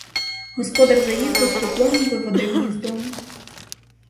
Господар заїзду з поклоном виводив їх із дому.